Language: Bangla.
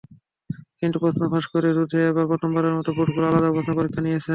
কিন্তু প্রশ্নপত্র ফাঁস রোধে এবার প্রথমবারের মতো বোর্ডগুলো আলাদা প্রশ্নে পরীক্ষা নিয়েছে।